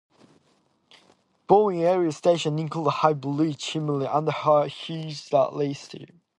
Bowie area stations included High Bridge, Hillmeade, and the Race Track.